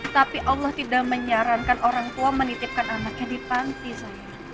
tapi allah tidak menyarankan orang tua menitipkan anaknya di panti saya